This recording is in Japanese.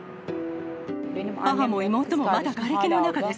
母も妹もまだがれきの中です。